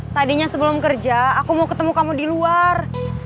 tadinya sebelum kerja aku mau ketemu kamu di luar